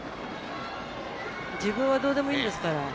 自分はどうでもいいですから。